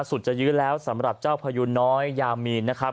สุดจะยื้อแล้วสำหรับเจ้าพยูนน้อยยามีนนะครับ